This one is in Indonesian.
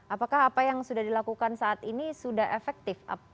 apakah apa yang sudah dilakukan saat ini sudah efektif